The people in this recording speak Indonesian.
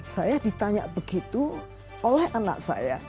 saya ditanya begitu oleh anak saya